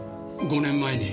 ５年前に。